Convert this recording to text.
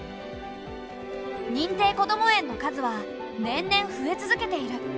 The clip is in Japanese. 認定こども園の数は年々増え続けている。